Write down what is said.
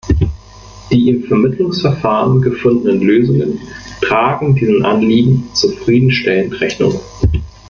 Die im Vermittlungsverfahren gefundenen Lösungen tragen diesen Anliegen zufriedenstellend Rechnung.